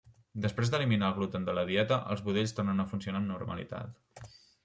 Després d'eliminar el gluten de la dieta els budells tornen a funcionar amb normalitat.